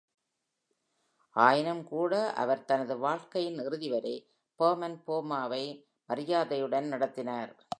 ஆயினும்கூட, அவர் தனது வாழ்க்கையின் இறுதி வரை ஃபர்மன்-ஃபார்மாவை மரியாதையுடன் நடத்தினார்.